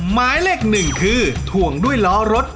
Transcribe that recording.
หมายเลข๑คือถ่วงด้วยล้อรถ